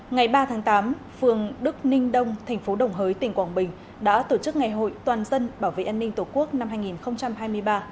ngày ba tháng tám phường đức ninh đông thành phố đồng hới tỉnh quảng bình đã tổ chức ngày hội toàn dân bảo vệ an ninh tổ quốc năm hai nghìn hai mươi ba